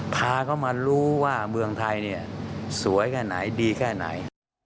พาเขามารู้ว่าเมืองไทยเนี่ยสวยแค่ไหนดีแค่ไหน